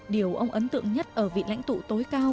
điều ông ấn tượng nhất ở vị lãnh tụ tối cao